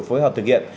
phối hợp thực hiện